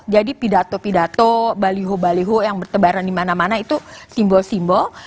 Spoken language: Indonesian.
jadi pidato pidato baliho baliho yang bertebaran di mana mana itu simbol simbol